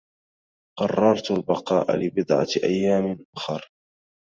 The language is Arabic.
قرّرتُ البقاء لبضعة أيام أُخر.